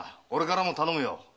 俺からも頼むよ。